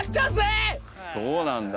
そうなんだ。